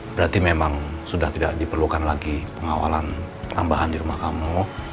berarti memang sudah tidak diperlukan lagi pengawalan penambahan di rumah kamu